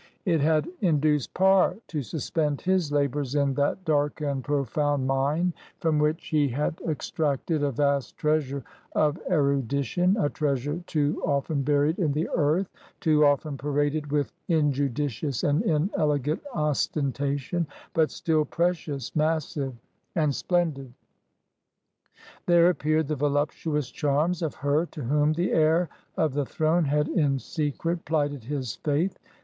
It had induced Parr to suspend his la bors in that dark and profound mine from which he 163 INDIA had extracted a vast treasure of erudition, a treasure too often buried in the earth, too often paraded with injudi cious and inelegant ostentation, but still precious, mas sive, and splendid. There appeared the voluptuous charms of her to whom the heir of the throne had in secret plighted his faith.